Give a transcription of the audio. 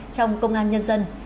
trong công an nhân dân